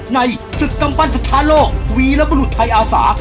ในศึกกำปั้นสถานโลกวีรบรุษไทยอาสา